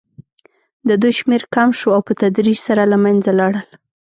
د دوی شمېر کم شو او په تدریج سره له منځه لاړل.